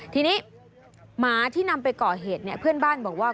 ทีนี้หมาที่นำไปก่อเหตุเนี่ยเพื่อนบ้านบอกว่า